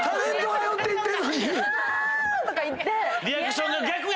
わ！とか言って。